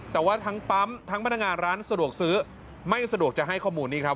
แต่ว่าทั้งปั๊มทั้งพนักงานร้านสะดวกซื้อไม่สะดวกจะให้ข้อมูลนี่ครับ